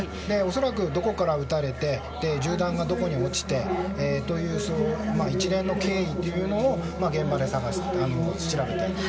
恐らく、どこから撃たれて銃弾がどこに落ちてという一連の経緯というのを現場で調べていると。